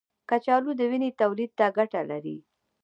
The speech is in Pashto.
کچالو د وینې تولید ته ګټه لري.